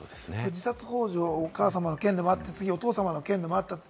自殺ほう助、お母様の件でもあって、次、お父様の件でもあった。